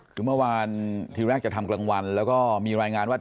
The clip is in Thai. เมื่อว่าที่แรกจะทำกรรมวัลแล้วมีรายงานว่า